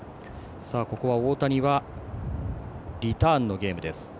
大谷は、リターンのゲームです。